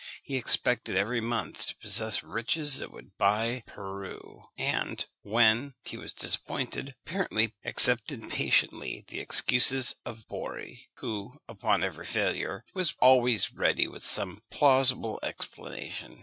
He expected every month to possess riches that would buy Peru; and, when he was disappointed, accepted patiently the excuses of Borri, who, upon every failure, was always ready with some plausible explanation.